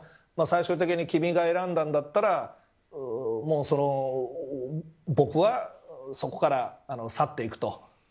最終的に、君が選んだんだったら僕は、そこから去っていくと。